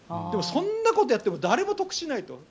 でも、そんなことやっても誰も得しないと。